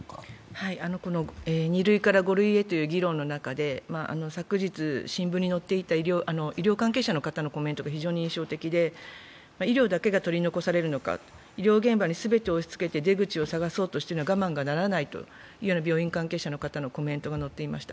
２類から５類へという議論の中で、昨日、新聞に載っていた医療関係者の方のコメントが非常に印象的で、医療だけが取り残されるのか、医療現場に全て押しつけて出口を探そうとしているのが我慢がならないというコメントが載っていました。